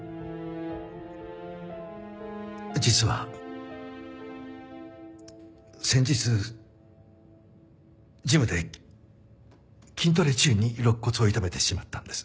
実は先日ジムで筋トレ中に肋骨を痛めてしまったんです。